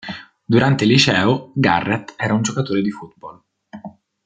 Durante il liceo, Garrett era un giocatore di football.